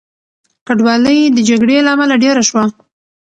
کډوالۍ د جګړې له امله ډېره شوه.